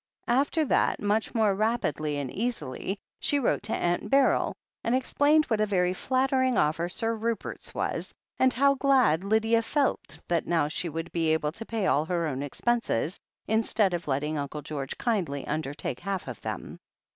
After that, much more rapidly and easily, she wrote to Aunt Beryl, and explained what a very flattering offer Sir Rupert's was, and how glad Lydia felt that now she would be able to pay all her own expenses, instead of letting Uncle George kindly undertake half of them.